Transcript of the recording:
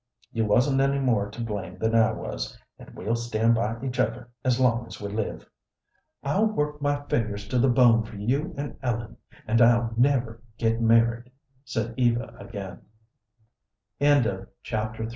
"You wasn't any more to blame than I was, and we'll stand by each other as long as we live." "I'll work my fingers to the bone for you and Ellen, and I'll never get married," s